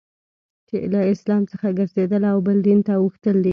چي له اسلام څخه ګرځېدل او بل دین ته اوښتل دي.